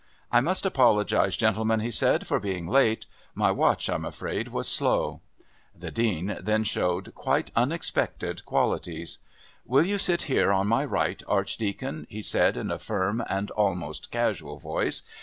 "I must apologise, gentlemen," he said, "for being late. My watch, I'm afraid, was slow." The Dean then showed quite unexpected qualities. "Will you sit here on my right, Archdeacon?" he said in a firm and almost casual voice.